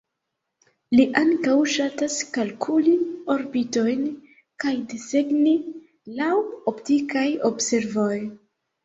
Li ankaŭ ŝatas kalkuli orbitojn kaj desegni laŭ optikaj observoj.